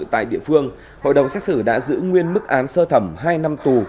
tại địa phương hội đồng xét xử đã giữ nguyên mức án sơ thẩm hai năm tù